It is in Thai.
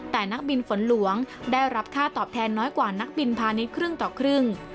แต่นักบินฝนหลวงได้รับค่าตอบแทนน้อยกว่านักบินพาณิชย์ครึ่งต่อครึ่ง